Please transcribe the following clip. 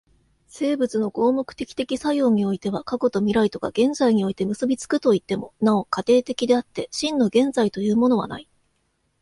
生物の合目的的作用においては過去と未来とが現在において結び付くといっても、なお過程的であって、真の現在というものはない。